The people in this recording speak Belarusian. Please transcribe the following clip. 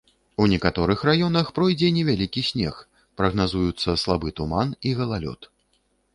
У некаторых раёнах пройдзе невялікі снег, прагназуюцца слабы туман і галалёд.